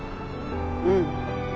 うん。